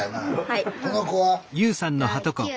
はい。